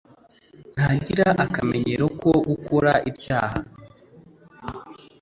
ntagira akamenyero ko gukora ibyaha